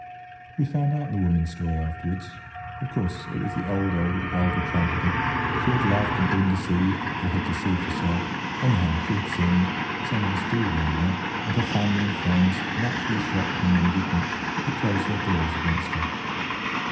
We found out the woman's story afterwards. Of course it was the old, old vulgar tragedy. She had loved and been deceived—or had deceived herself. Anyhow, she had sinned—some of us do now and then—and her family and friends, naturally shocked and indignant, had closed their doors against her.